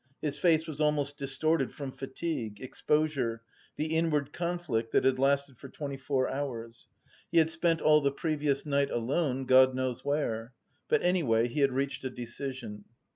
His face was almost distorted from fatigue, exposure, the inward conflict that had lasted for twenty four hours. He had spent all the previous night alone, God knows where. But anyway he had reached a decision.